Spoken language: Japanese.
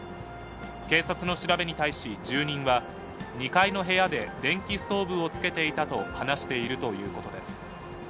警察の調べに対し住人は、２階の部屋で電気ストーブをつけていたと話しているということです。